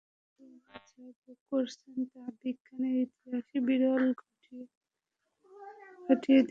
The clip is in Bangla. তবুও রোমার যা করলেন তা বিজ্ঞানের ইতিহাসে বিপ্লব ঘটিয়ে দিল।